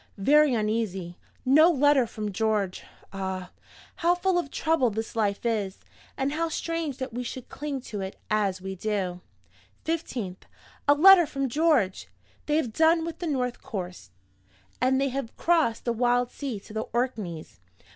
Very uneasy. No letter from George. Ah, how full of trouble this life is! and how strange that we should cling to it as we do! "15th. A letter from George! They have done with the north coast and they have crossed the wild sea to the Orkneys.